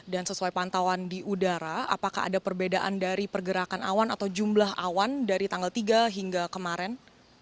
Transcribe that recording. dan sesuai pantauan di udara apakah ada perbedaan dari pergerakan awan atau jumlah awan dari tanggal tiga hingga kemarin